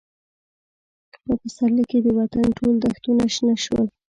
په پسرلي کې د وطن ټول دښتونه شنه شول.